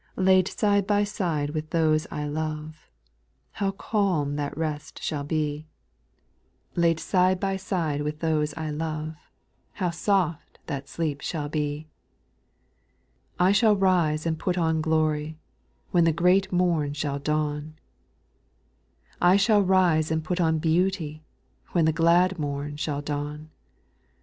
5. Laid side by side with those I love, How calm that leSt ^\\^\ivi,\ 220 SPIRITUAL SONGS, Laid side by side with those I love, How soft that sleep shall be I C. I shall rise and put on glory, When the great mom shall dawn ; I shall rise and put on beauty When the glad morn shall dawn.